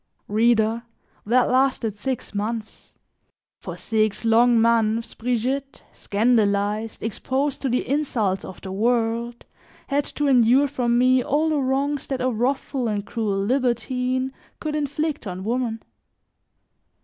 Reader, that lasted six months: for six long months, Brigitte, scandalized, exposed to the insults of the world, had to endure from me all the wrongs that a wrathful and cruel libertine could inflict on woman.